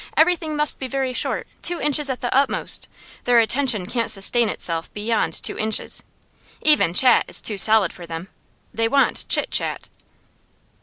Everything must be very short, two inches at the utmost; their attention can't sustain itself beyond two inches. Even chat is too solid for them: they want chit chat.